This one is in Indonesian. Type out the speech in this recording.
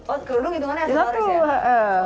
oh kerudung hitungannya aksesoris ya